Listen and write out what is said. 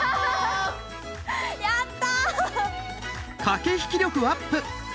やった！